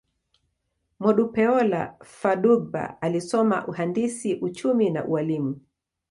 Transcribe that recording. Modupeola Fadugba alisoma uhandisi, uchumi, na ualimu.